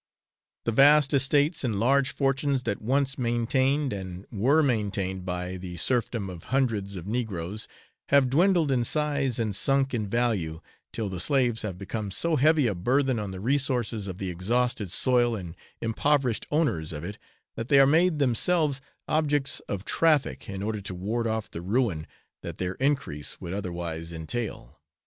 The vast estates and large fortunes that once maintained, and were maintained by, the serfdom of hundreds of negroes, have dwindled in size and sunk in value, till the slaves have become so heavy a burthen on the resources of the exhausted soil and impoverished owners of it, that they are made themselves objects of traffic in order to ward off the ruin that their increase would otherwise entail.